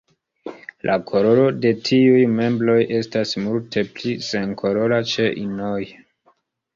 La koloro de tiuj membroj estas multe pli senkolora ĉe inoj.